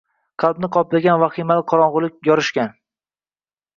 Qalbini qoplagan vahimali qorong‘ulik yorishgan